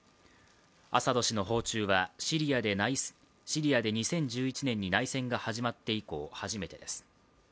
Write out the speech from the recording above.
アサド氏の訪中はシリアで２０１１年に内戦が始まって以降初めてです。